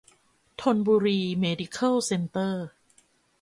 ธนบุรี เมดิเคิล เซ็นเตอร์